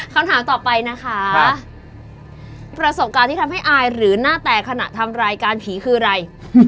คำถามต่อไปนะคะประสบการณ์ที่ทำให้อายหรือหน้าแตกขณะทำรายการผีคืออะไร